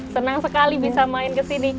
senang sekali bisa main ke sini